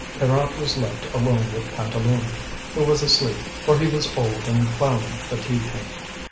Pierrot was left alone with Pantaloon, who was asleep, for he was old and clowning fatigued him.